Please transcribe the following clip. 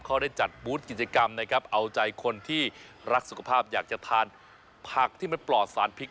เขาได้จัดบูธกิจกรรมนะครับเอาใจคนที่รักสุขภาพอยากจะทานผักที่มันปลอดสารพิษ